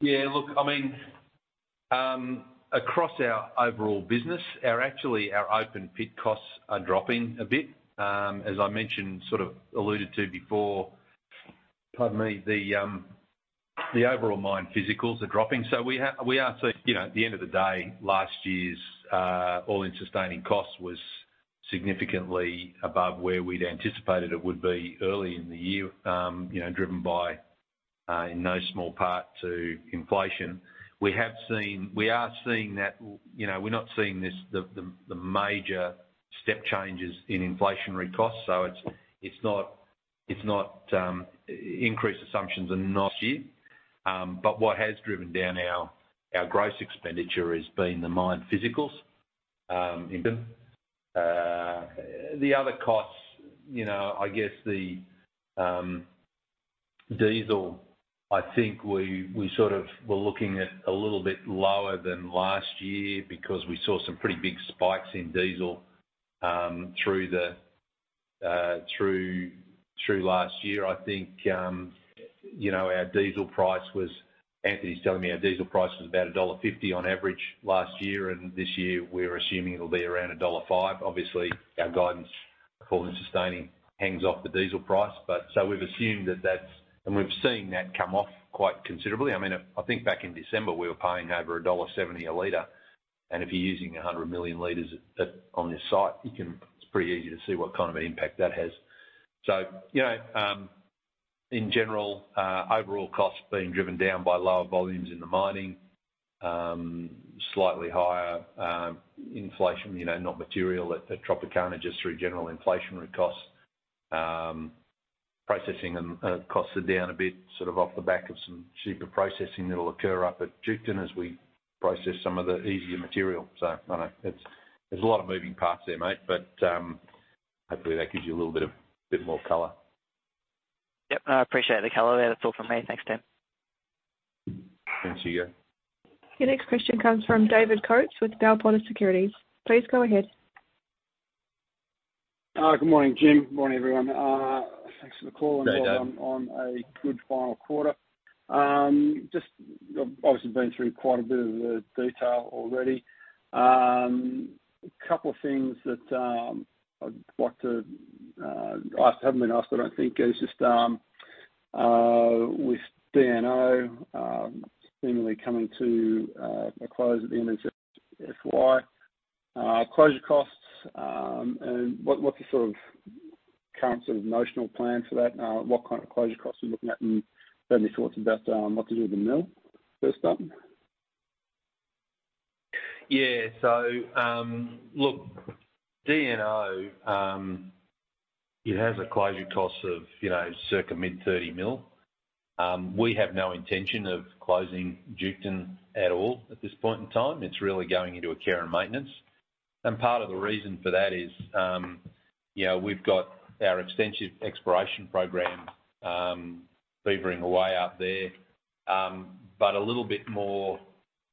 Yeah, look, I mean, across our overall business, our actually, our open pit costs are dropping a bit. As I mentioned, sort of alluded to before, pardon me, the overall mine physicals are dropping. We are seeing, you know, at the end of the day, last year's all-in sustaining costs was significantly above where we'd anticipated it would be early in the year, you know, driven by in no small part to inflation. We are seeing that, you know, we're not seeing this, the major step changes in inflationary costs, so it's not, it's not increased assumptions in last year. What has driven down our gross expenditure has been the mine physicals input. The other costs, you know, I guess the diesel, I think we sort of were looking at a little bit lower than last year because we saw some pretty big spikes in diesel through last year. I think, you know, our diesel price was, Anthony's telling me our diesel price was about dollar 1.50 on average last year, and this year we're assuming it'll be around dollar 1.05. Obviously, our guidance for sustaining hangs off the diesel price, we've assumed that that's and we've seen that come off quite considerably. I mean, I think back in December, we were paying over AUD 1.70 a liter, and if you're using 100 million liters at, on this site, you can it's pretty easy to see what kind of impact that has. You know, in general, overall costs being driven down by lower volumes in the mining, slightly higher inflation, you know, not material at Tropicana, just through general inflationary costs. Processing and costs are down a bit, sort of off the back of some cheaper processing that'll occur up at Duketon as we process some of the easier material. I know, it's, there's a lot of moving parts there, mate, but hopefully, that gives you a little bit of bit more color. Yep, I appreciate the color there. That's all from me. Thanks, Tim. Thanks, Hugo. Your next question comes from David Coates with Bell Potter Securities. Please go ahead. Good morning, Jim. Morning, everyone. Thanks for the. Hey, David. On a good final quarter. Just obviously been through quite a bit of the detail already. A couple of things that I'd like to ask, haven't been asked, but I think is just with DNO, seemingly coming to a close at the end of FY, closure costs, and what's your sort of current sort of notional plan for that? What kind of closure costs are you looking at, and any thoughts about what to do with the mill, first up? Yeah. Look, DNO, it has a closure cost of, you know, circa AUD mid 30 million. We have no intention of closing Duketon at all at this point in time. It's really going into a care and maintenance. Part of the reason for that is, yeah, we've got our extensive exploration program, beavering away out there. A little bit more,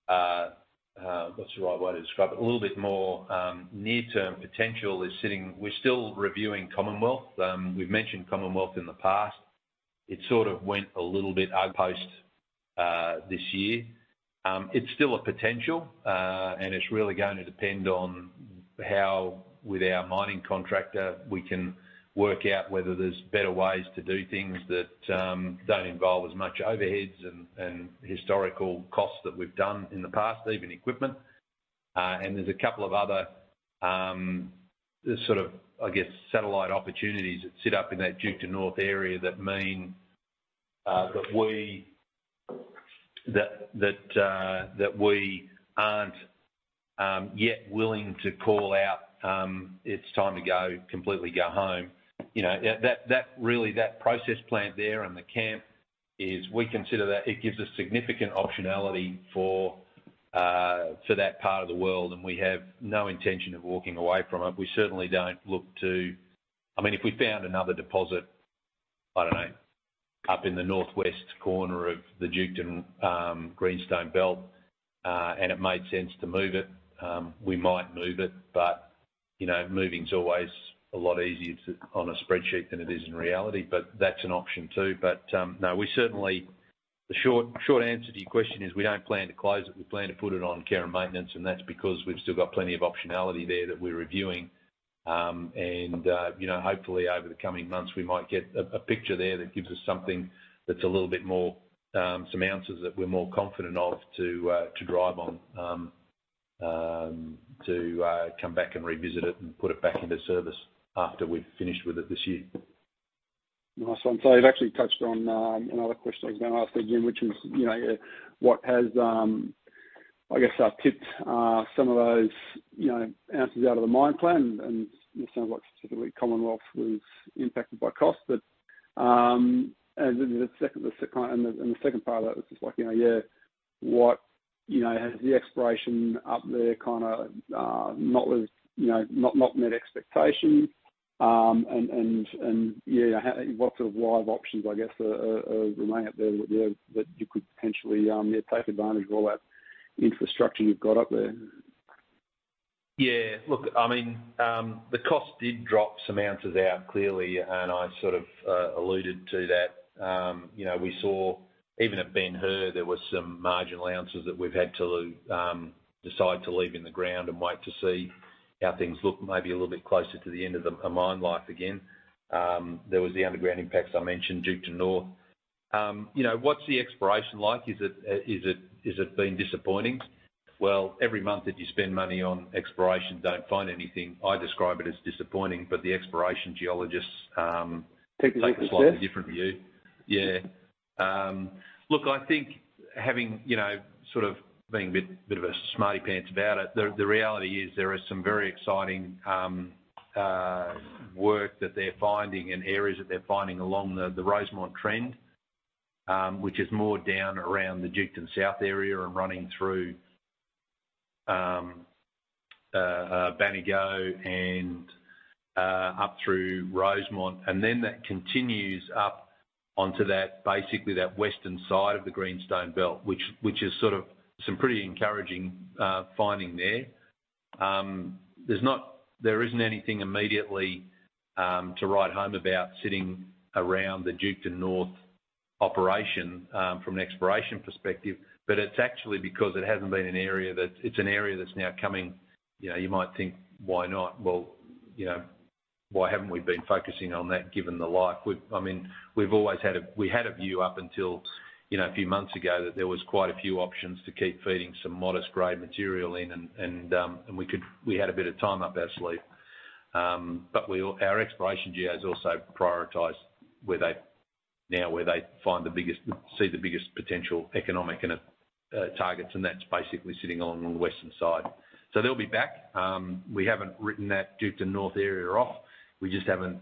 what's the right way to describe it? A little bit more, near-term potential is we're still reviewing Commonwealth. We've mentioned Commonwealth in the past. It sort of went a little bit outpost, this year. It's still a potential, and it's really going to depend on how, with our mining contractor, we can work out whether there's better ways to do things that don't involve as much overheads and historical costs that we've done in the past, even equipment. There's a couple of other, sort of, I guess, satellite opportunities that sit up in that Duketon North Operations that mean that we aren't yet willing to call out, it's time to go, completely go home. You know, that process plant there and the camp is, we consider that it gives us significant optionality for that part of the world, and we have no intention of walking away from it. We certainly don't look to... If we found another deposit, I don't know, up in the northwest corner of the Duketon Greenstone Belt, and it made sense to move it, we might move it, but, you know, moving is always a lot easier on a spreadsheet than it is in reality, but that's an option, too. No, we certainly the short answer to your question is, we don't plan to close it. We plan to put it on care and maintenance, and that's because we've still got plenty of optionality there that we're reviewing. You know, hopefully, over the coming months, we might get a picture there that gives us something that's a little bit more, some answers that we're more confident of to drive on, to come back and revisit it and put it back into service after we've finished with it this year. Nice one. you've actually touched on another question I was going to ask again, which is, you know, what has, I guess, tipped some of those, you know, answers out of the mine plan, and it sounds like specifically, Commonwealth was impacted by cost. The second part of that was just like, you know, yeah, what, you know, has the exploration up there kinda not as, you know, met expectations? Yeah, what sort of live options, I guess, remain up there that you could potentially, yeah, take advantage of all that infrastructure you've got up there? Yeah. Look, I mean, the cost did drop some ounces out, clearly, and I sort of alluded to that. You know, we saw even at Ben Hur, there were some marginal ounces that we've had to decide to leave in the ground and wait to see how things look, maybe a little bit closer to the end of the mine life again. There was the underground impacts I mentioned, Duketon North. You know, what's the exploration like? Is it been disappointing? Well, every month that you spend money on exploration, don't find anything, I describe it as disappointing, but the exploration geologists. Take a different stance? take a slightly different view. Yeah. Look, I think having, you know, sort of being a bit of a smarty pants about it, the reality is there are some very exciting work that they're finding and areas that they're finding along the Rosemont Trend, which is more down around the Duketon South area and running through Baneygo and up through Rosemont. That continues up onto that, basically, that western side of the Greenstone Belt, which is sort of some pretty encouraging finding there. There isn't anything immediately to write home about sitting around the Duketon North operation from an exploration perspective, but it's actually because it hasn't been an area that it's an area that's now coming... You know, you might think, why not? Well, you know, why haven't we been focusing on that, given the life? I mean, we've always had a view up until, you know, a few months ago, that there was quite a few options to keep feeding some modest grade material in, and we had a bit of time up our sleeve. Our exploration geo has also prioritized where they, now, where they find the biggest see the biggest potential economic and targets, and that's basically sitting on the western side. They'll be back. We haven't written that Duketon North area off. We just haven't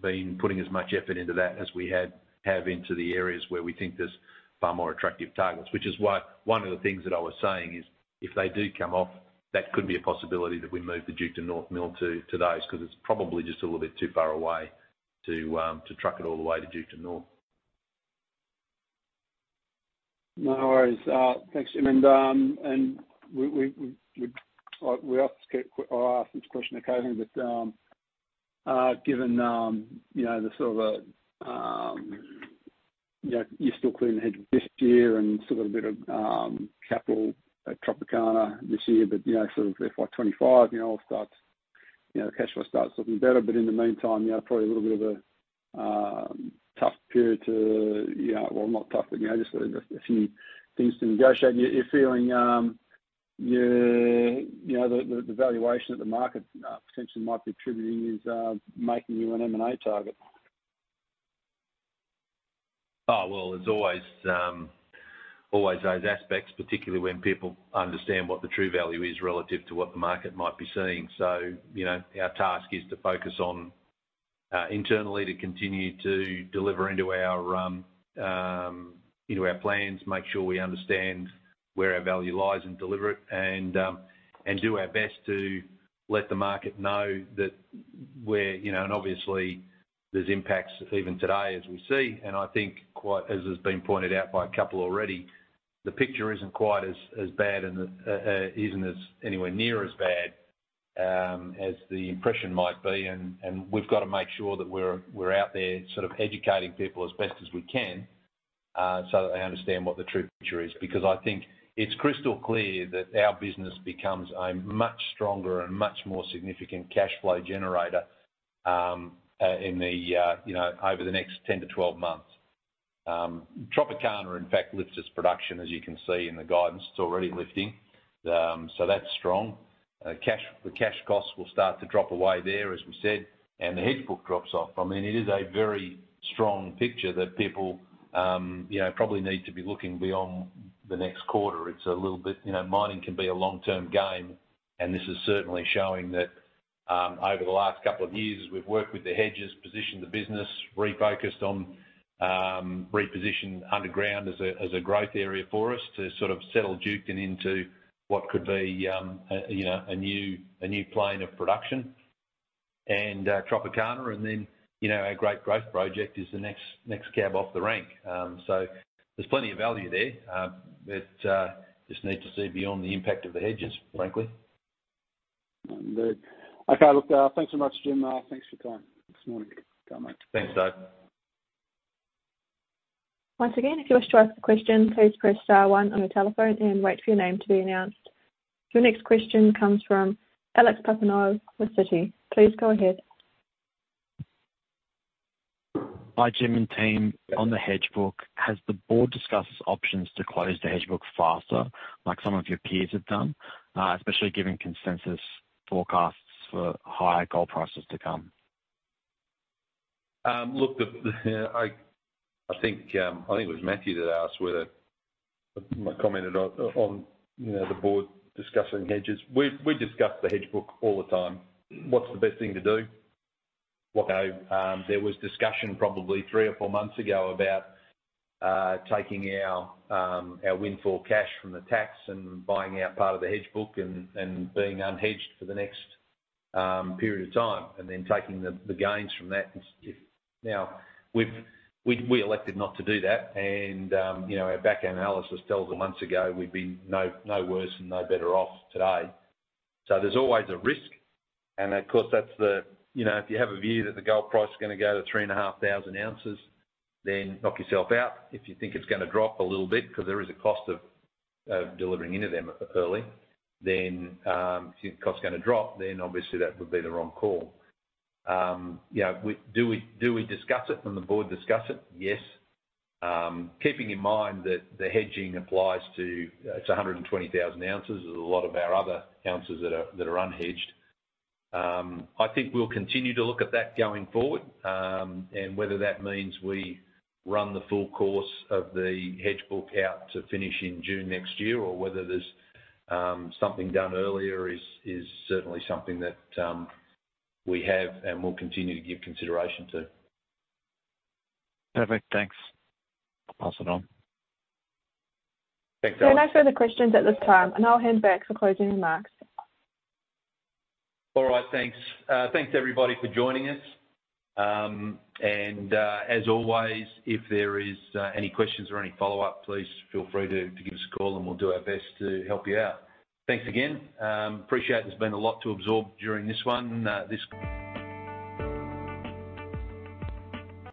been putting as much effort into that as we had, have into the areas where we think there's far more attractive targets, which is why one of the things that I was saying is, if they do come off, that could be a possibility that we move the Duketon North mill to those, 'cause it's probably just a little bit too far away to truck it all the way to Duketon North. No worries. Thanks, Jim. We ask this question or I ask this question, okay, but given, you know, the sort of, you know, you're still clearing the head this year and still got a bit of capital at Tropicana this year, but, you know, sort of FY 2025, you know, starts, you know, the cash flow starts looking better. In the meantime, you know, probably a little bit of a tough period to, you know. Well, not tough, but, you know, just a few things to negotiate. You're feeling, yeah, you know, the valuation that the market potentially might be attributing is making you an M&A target? Well, there's always those aspects, particularly when people understand what the true value is relative to what the market might be seeing. You know, our task is to focus on internally to continue to deliver into our plans, make sure we understand where our value lies and deliver it, and do our best to let the market know that we're, you know. Obviously, there's impacts even today as we see, and I think quite, as has been pointed out by a couple already, the picture isn't quite as bad and isn't as anywhere near as bad as the impression might be, and we've got to make sure that we're out there sort of educating people as best as we can, so that they understand what the true picture is. I think it's crystal clear that our business becomes a much stronger and much more significant cash flow generator, in the, you know, over the next 10-12 months. Tropicana, in fact, lifts its production, as you can see in the guidance. It's already lifting. That's strong. The cash costs will start to drop away there, as we said, and the hedge book drops off. I mean, it is a very strong picture that people, you know, probably need to be looking beyond the next quarter. It's a little bit... You know, mining can be a long-term game. This is certainly showing that, over the last couple of years, as we've worked with the hedges, positioned the business, refocused on, reposition underground as a, as a growth area for us to sort of settle Duketon into what could be, a, you know, a new plane of production. Tropicana and then, you know, our great growth project is the next cab off the rank. There's plenty of value there, just need to see beyond the impact of the hedges, frankly. Under. Okay, look, thanks so much, Jim. Thanks for your time this morning. Bye, mate. Thanks, Dave. Once again, if you wish to ask a question, please press star one on your telephone and wait for your name to be announced. The next question comes from Alex Papaioanou with Citi. Please go ahead. Hi, Jim and team. On the hedge book, has the board discussed options to close the hedge book faster, like some of your peers have done? especially given consensus forecasts for higher gold prices to come. Look, I think Matthew that asked I commented on, you know, the board discussing hedges. We discuss the hedge book all the time. What's the best thing to do? What, there was discussion probably three or four months ago about taking our windfall cash from the tax and buying out part of the hedge book and being unhedged for the next period of time, and then taking the gains from that. Now, we elected not to do that, and, you know, our back-end analysis tells us months ago, we'd be no worse and no better off today. There's always a risk, and of course, that's the... You know, if you have a view that the gold price is going to go to 3,500 ounces, then knock yourself out. If you think it's going to drop a little bit, because there is a cost of delivering into them early, then, if the cost is going to drop, then obviously that would be the wrong call. Yeah, do we discuss it, and the board discuss it? Yes. Keeping in mind that the hedging applies to, it's 120,000 ounces. There's a lot of our other ounces that are unhedged. I think we'll continue to look at that going forward, and whether that means we run the full course of the hedge book out to finish in June next year, or whether there's something done earlier is certainly something that we have and will continue to give consideration to. Perfect. Thanks. I'll pass it on. Thanks, Alex. There are no further questions at this time, and I'll hand back for closing remarks. All right, thanks. Thanks, everybody, for joining us. As always, if there is any questions or any follow-up, please feel free to give us a call, and we'll do our best to help you out. Thanks again. Appreciate it. There's been a lot to absorb during this one, this-